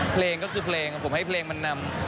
เพลงก็คือเพลงผมให้เพลงมันนำ